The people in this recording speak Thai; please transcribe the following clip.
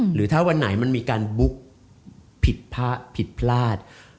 หรือถ้าวันไหนมันมีการบุ๊กผิดพระผิดพลาด